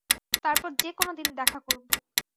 তারপর যে-কোন দিন দেখা করব।